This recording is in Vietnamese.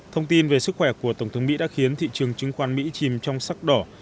thông tin về sức khỏe của tổng thống mỹ đã khiến thị trường chứng khoán mỹ chìm trong sắc đỏ